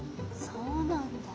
そうなんだ。